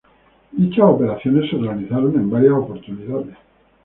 Dichas operaciones se realizaron en varias oportunidades.